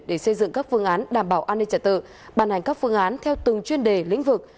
để xây dựng các phương án đảm bảo an ninh trả tự bàn hành các phương án theo từng chuyên đề lĩnh vực